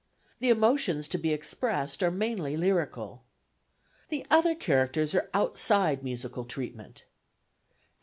The emotions to be expressed are mainly lyrical. The other characters are outside musical treatment.